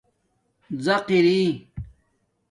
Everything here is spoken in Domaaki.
زَق اری